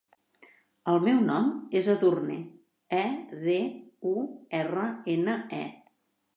El meu nom és Edurne: e, de, u, erra, ena, e.